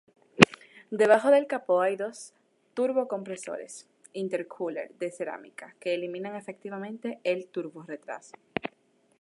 Debajo del capó hay dos turbocompresores intercooler de cerámica, que eliminan efectivamente el turbo-retraso.